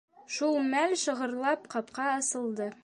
Шул мәл шығырлап ҡапҡа асылды.